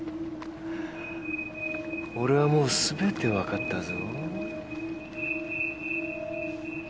俺はもう全てわかったぞ。